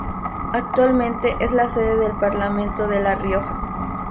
Actualmente es la sede del Parlamento de La Rioja.